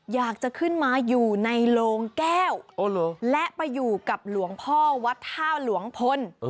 อยากจะขึ้นมาอยู่ในโลงแก้วและไปอยู่กับหลวงพ่อวัดท่าหลวงพล